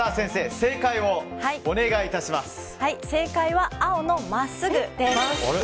正解は青の真っすぐです。